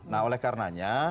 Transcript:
nah oleh karenanya